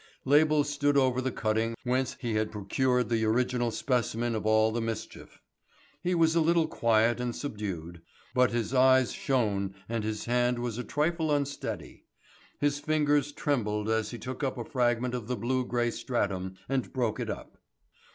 Label stood over the cutting whence he had procured the original specimen of all the mischief. He was a little quiet and subdued, but his eyes shone and his hand was a trifle unsteady. His fingers trembled as he took up a fragment of the blue grey stratum and broke it up.